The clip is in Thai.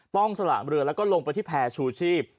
ป้องสระเมือเรือแล้วก็ลงไปที่แผ่ฉู่ชีพ